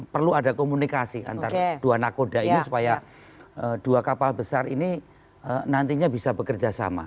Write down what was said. perlu ada komunikasi antara dua nakoda ini supaya dua kapal besar ini nantinya bisa bekerja sama